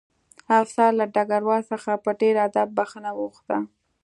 افسر له ډګروال څخه په ډېر ادب بښنه وغوښته